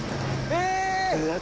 え！